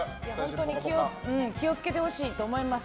本当に気を付けてほしいと思います。